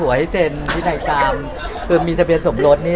ด้วยให้ช่วยกว่ากฎหมายนี่หน่อย